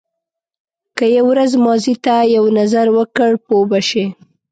که یو ورځ ماضي ته یو نظر وکړ پوه به شې.